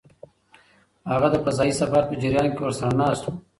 هغه د فضايي سفر په جریان کې ورسره ناست و.